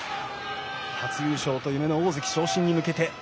初優勝と夢の大関昇進に向けて。